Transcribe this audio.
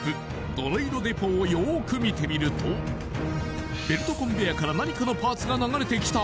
ドロイド・デポをよく見てみるとベルトコンベアから何かのパーツが流れてきた？